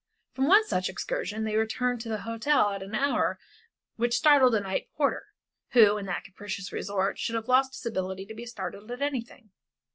From one such excursion they returned to the hotel at an hour which startled the night porter, who, in that capricious resort, should have lost his ability to be startled at anything.